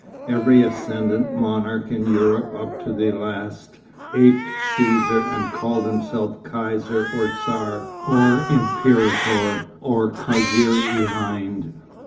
Every ascendant monarch in Europe up to the last, aped Cæsar and called himself Kaiser or Tsar or Imperator or Kasir i Hind.